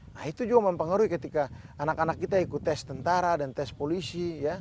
nah itu juga mempengaruhi ketika anak anak kita ikut tes tentara dan tes polisi